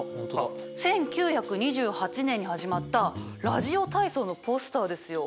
１９２８年に始まったラジオ体操のポスターですよ。